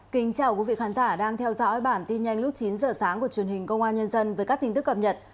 kính chào quý vị khán giả đang theo dõi bản tin nhanh lúc chín giờ sáng của truyền hình công an nhân dân với các tin tức cập nhật